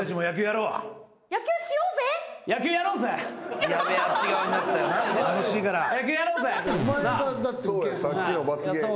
そうやさっきの罰ゲーム。